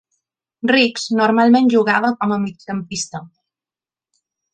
Rix normalment jugava com a migcampista.